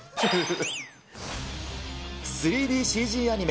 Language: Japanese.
３ＤＣＧアニメ